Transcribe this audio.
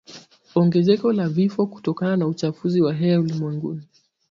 ongezeko la vifo kutokana na uchafuzi wa hewa ulimwenguni